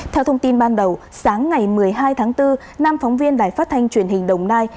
theo thông tin ban đầu sáng ngày một mươi hai tháng bốn năm phóng viên đài phát thanh truyền hình đồng nai